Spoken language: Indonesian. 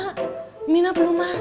mak minah belum masak